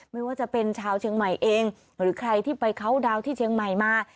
ไม่ว่าจะเป็นชาวเชียงใหม่เองหรือใครที่ไปเคาน์ดาวน์ที่เชียงใหม่มา